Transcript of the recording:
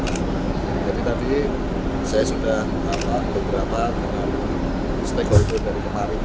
kita bertemu sama pelompat dari kemarin